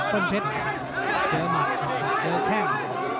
ต้นเพชรเจอหมัดเจอแข้ง